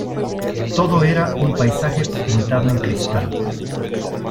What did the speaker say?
¡Todo era un paisaje pintado en cristal!